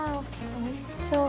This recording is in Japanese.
おいしそう。